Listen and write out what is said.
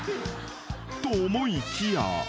［と思いきや］